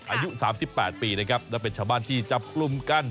อายุ๓๘ปีนะครับและเป็นชาวบ้านที่จับกลุ่มกัน